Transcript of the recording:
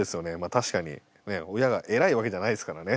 確かにねえ親が偉いわけじゃないですからね。